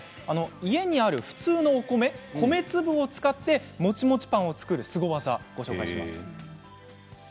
家にある普通のお米米粒を使ってもちもちパンを作るスゴ技をご紹介します。